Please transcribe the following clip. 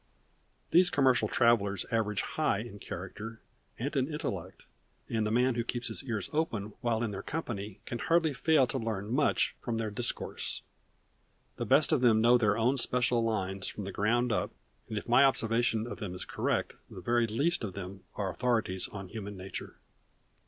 These commercial travelers average high in character and in intellect, and the man who keeps his ears open while in their company can hardly fail to learn much from their discourse. The best of them know their own special lines from the ground up, and if my observation of them is correct the very least of them are authorities on human nature.